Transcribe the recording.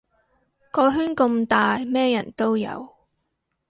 個圈咁大咩人都有